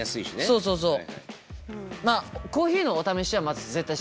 そうそうそう。